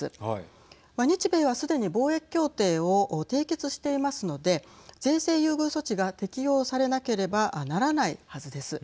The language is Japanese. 日米はすでに貿易協定を締結していますので税制優遇措置が適用されなければならないはずです。